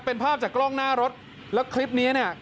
เป็นภาพจากกล้องหน้ารถแล้วคลิปนี้เนี่ย